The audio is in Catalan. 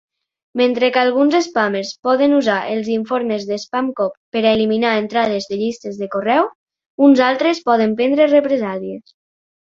Mentre que alguns spammers poden usar els informes de SpamCop per a eliminar entrades de llistes de correu, uns altres poden prendre represàlies.